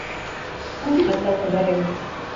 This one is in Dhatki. تايون مطلب کبر هي منا.